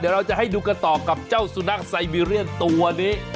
เดี๋ยวเราจะให้ดูกันต่อกับเจ้าสุนัขไซเบีเรียนตัวนี้